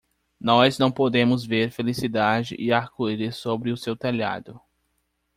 Nós não podemos ver felicidade e arco-íris sobre o seu telhado.